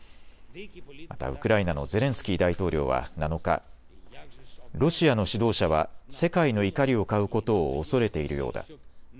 またウクライナのゼレンスキー大統領は７日、ロシアの指導者は世界の怒りを買うことを恐れているようだ。